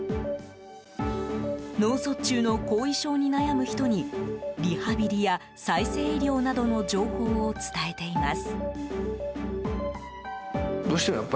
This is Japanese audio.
脳卒中の後遺症に悩む人にリハビリや再生医療などの情報を伝えています。